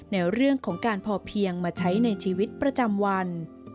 ในเรื่องของการพอเพียงมาใช้ในชีวิตประจำวัน